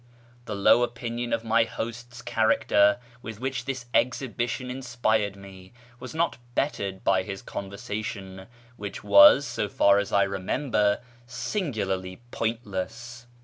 The low opinion of my host's character with which this exhibition inspired me was not bettered by his conversation, which was, so far as I remember, singularly pointless.